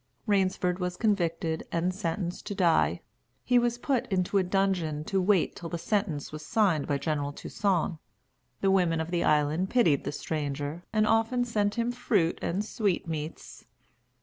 Rainsford was convicted, and sentenced to die. He was put into a dungeon to wait till the sentence was signed by General Toussaint. The women of the island pitied the stranger, and often sent him fruit and sweetmeats.